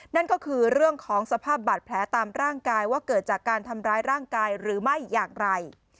นั่นก็คือเรื่องของสภาพบาดแผลตามร่างกายว่าเกิดจากการทำร้ายร่างกายหรือไม่อย่างไร